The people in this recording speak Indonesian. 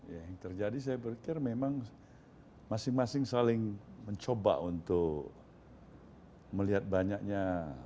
ya yang terjadi saya pikir memang masing masing saling mencoba untuk melihat banyaknya